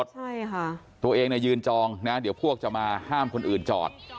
ใช่ค่ะตัวเองเนี่ยยืนจองนะเดี๋ยวพวกจะมาห้ามคนอื่นจอด